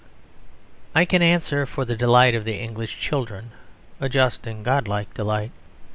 I can answer for the delight of the English children; a just and godlike delight.